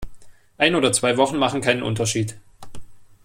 Ein oder zwei Wochen machen keinen Unterschied.